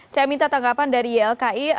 saya minta tanggapan dari ylki